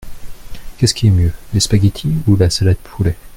Qu’est-ce qui est mieux, les spaghetti ou la salade poulet ?